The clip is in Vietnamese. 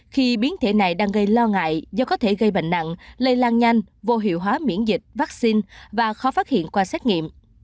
khi biến thể này đang gây lo ngại do có thể gây bệnh nặng lây lan nhanh vô hiệu hóa miễn dịch vaccine và khó phát hiện qua xét nghiệm